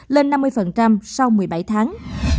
lên năm mươi sau một mươi bảy tháng